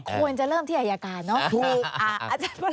ควรจะเริ่มที่อายการเนอะ